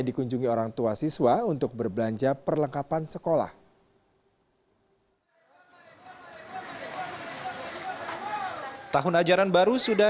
dikunjungi orang tua siswa untuk berbelanja perlengkapan sekolah tahun ajaran baru sudah